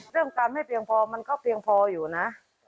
เรื่องการไม่เพียงพอมันก็เพียงพออยู่นะ